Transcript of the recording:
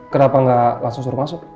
kenapa nggak langsung suruh masuk